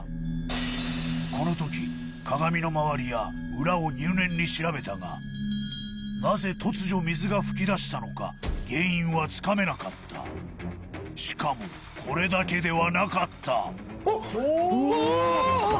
この時鏡の周りや裏を入念に調べたがなぜ突如水がふき出したのか原因はつかめなかったしかもこれだけではなかったあっああ！